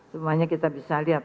semuanya kita bisa lihat